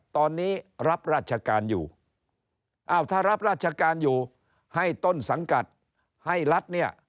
ตอนนี้รับราชการอยู่อ้าวถ้ารับราชการอยู่ให้ต้นสังกัดให้รัฐเนี่ย